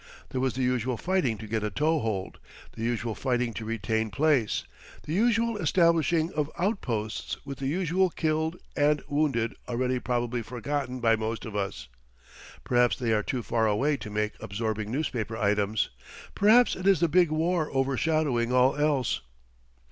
There was the usual fighting to get a toe hold, the usual fighting to retain place, the usual establishing of outposts, with the usual killed and wounded already probably forgotten by most of us. Perhaps they are too far away to make absorbing newspaper items; perhaps it is the Big War overshadowing all else.